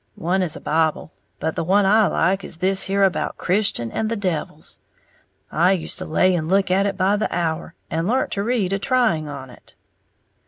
One is a Bible; but the one I like is this here about Christian and the devils. I used to lay and look at it by the hour, and learnt to read a trying on it."